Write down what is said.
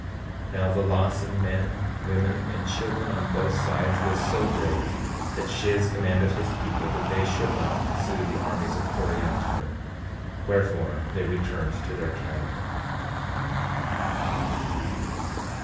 14:31 Now the loss of men, women and children on both sides was so great that Shiz commanded his people that they should not pursue the armies of Coriantumr; wherefore, they returned to their camp.